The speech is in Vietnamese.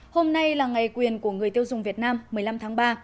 hôm nay là ngày quyền của người tiêu dùng việt nam một mươi năm tháng ba